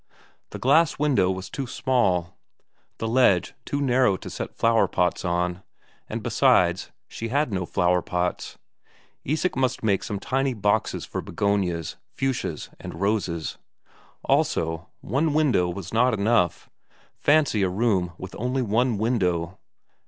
The glass window was too small, the ledge too narrow to set flower pots on; and besides, she had no flower pots. Isak must make some tiny boxes for begonias, fuchsias, and roses. Also, one window was not enough fancy a room with only one window!